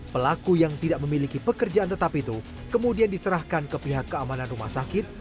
pelaku yang tidak memiliki pekerjaan tetap itu kemudian diserahkan ke pihak keamanan rumah sakit